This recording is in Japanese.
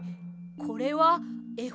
これはえ